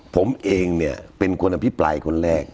ผมเองเนี่ยเป็นคนอภิปรายคนแรก